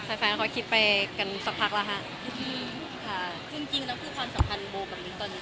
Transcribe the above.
สีฟานเค้าคิดไปกันสักพักแล้วค่ะ